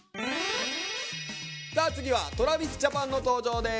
さあ次はＴｒａｖｉｓＪａｐａｎの登場です。